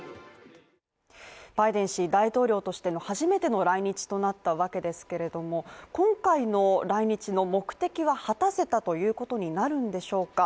バイデン氏、大統領としての初めての来日となったわけですけど今回の来日の目的は果たせたということになるんでしょうか。